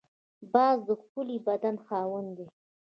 باز د ښکلي بدن خاوند دی